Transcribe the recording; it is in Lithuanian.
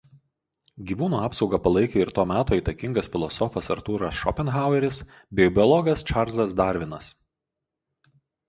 Gyvūnų apsaugą palaikė ir to meto įtakingas filosofas Artūras Šopenhaueris bei biologas Čarlzas Darvinas.